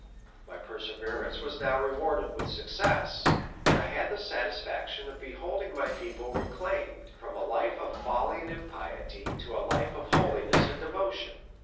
My perseverance was now rewarded with success ; and 1 had the satisfaction of beholding my people reclaimed, from a life of folly and impiety, to a life of holiness and devotion.